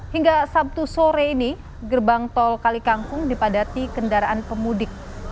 hingga sabtu sore ini gerbang tol kalikangkung dipadati kendaraan pemudik